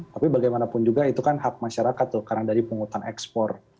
tapi bagaimanapun juga itu kan hak masyarakat karena dari penghutang ekspor